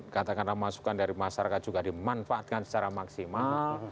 katakanlah masukan dari masyarakat juga dimanfaatkan secara maksimal